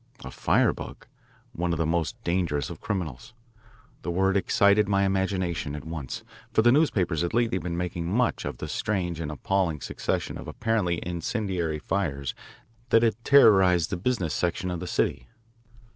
A firebug! one of the most dangerous of criminals. The word excited my imagination at once, for the newspapers had lately been making much of the strange and appalling succession of apparently incendiary fires that had terrorised the business section of the city.